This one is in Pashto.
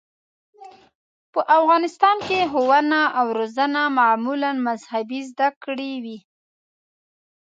په افغانستان کې ښوونه او روزنه معمولاً مذهبي زده کړې وې.